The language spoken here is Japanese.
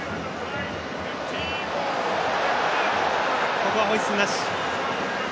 ここはホイッスルなし。